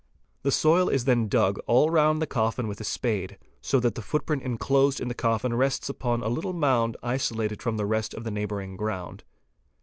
'The soil is then dug all round the coffin with a spade, so that the footprint enclosed in the coffin rests upon a little mound isolated from the rest of the neighbouring ground.